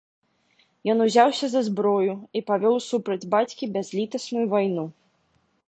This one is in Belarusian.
Ён узяўся за зброю і павёў супраць бацькі бязлітасную вайну.